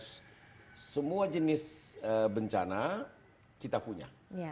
semua jenis bencana kita punya